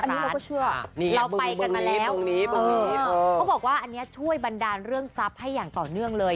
อันนี้เราก็เชื่อเราไปกันมาแล้วเขาบอกว่าอันนี้ช่วยบันดาลเรื่องทรัพย์ให้อย่างต่อเนื่องเลย